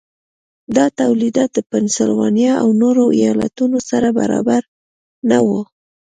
دا تولیدات د پنسلوانیا او نورو ایالتونو سره برابر نه وو.